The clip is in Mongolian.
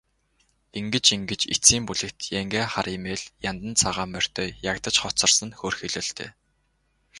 Ингэж ингэж эцсийн бүлэгт янгиа хар эмээл, яндан цагаан морьтой ягдаж хоцорсон нь хөөрхийлөлтэй.